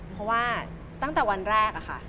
เพราะว่าตั้งแต่วันแรก